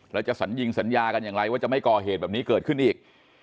แล้วจะสัญญิงสัญญากันอย่างไรว่าจะไม่ก่อเหตุแบบนี้เกิดขึ้นอีก